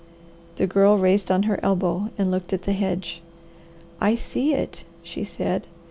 The Girl raised on her elbow and looked at the hedge. "I see it," she said.